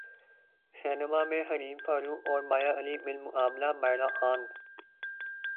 سینماں میں حریم فاروق اور مایا علی بمقابلہ ماہرہ خان